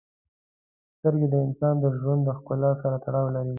• سترګې د انسان د ژوند د ښکلا سره تړاو لري.